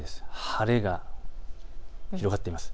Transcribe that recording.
晴れが広がっています。